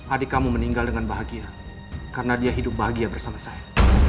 adik kamu meninggal dengan bahagia karena dia hidup bahagia bersama saya